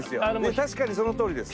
確かにそのとおりです。